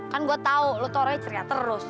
kan gue tau lo tolongnya ceria terus